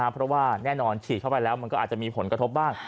เพราะว่าแน่นอนฉีดเข้าไปแล้วมันก็อาจจะมีผลกระทบบ้าง